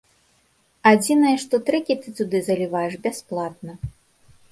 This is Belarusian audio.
Адзінае, што трэкі ты туды заліваеш бясплатна.